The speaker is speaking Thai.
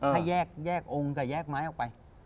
ให้แยกองค์กับแยกไม้ออกไป